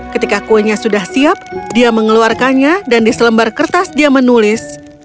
ketika kuenya sudah siap dia mengeluarkannya dan di selembar kertas dia menulis